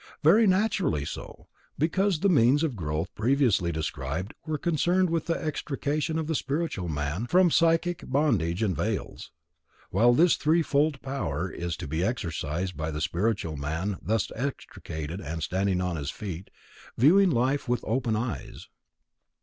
Very naturally so; because the means of growth previously described were concerned with the extrication of the spiritual man from psychic bondages and veils; while this threefold power is to be exercised by the spiritual man thus extricated and standing on his feet, viewing life with open eyes.